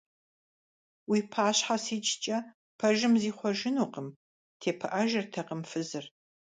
Уи пащхьэ сикӀкӀэ пэжым зихъуэжынукъым! – тепыӀэжыртэкъым фызыр.